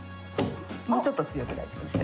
もうちょっと強く大丈夫ですよ。